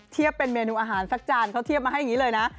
เป็นเมนูอาหารสักจานเขาเทียบมาให้อย่างนี้เลยนะ